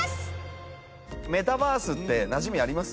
メタバースってなじみあります？